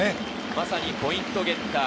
まさにポイントゲッター。